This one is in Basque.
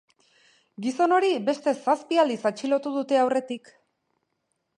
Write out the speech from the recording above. Gizon hori beste zazpi aldiz atxilotu dute aurretik.